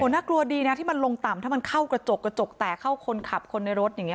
น่ากลัวดีนะที่มันลงต่ำถ้ามันเข้ากระจกกระจกแตกเข้าคนขับคนในรถอย่างนี้